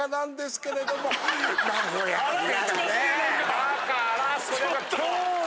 だからそれは。